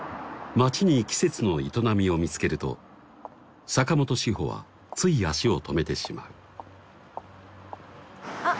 街に季節の営みを見つけると坂本紫穂はつい足を止めてしまうあっ